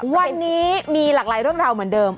วันนี้มีหลากหลายเรื่องราวเหมือนเดิม